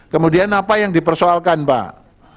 kemudian apa yang dipersoalkan pak